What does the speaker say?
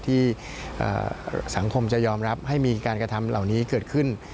ที่สังคมจะยอมรับให้มีการกระทำเหล่านี้เกิดขึ้น